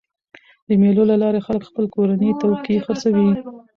د مېلو له لاري خلک خپل کورني توکي خرڅوي.